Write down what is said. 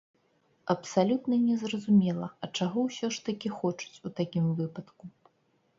Абсалютна не зразумела, а чаго ўсё ж такі хочуць у такім выпадку?